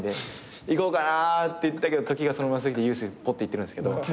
行こうかなって言ったけど時がそのまま過ぎてユースにぽって行ってるんですけど。